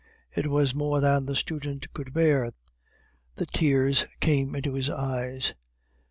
It was more than the student could bear; the tears came into his eyes.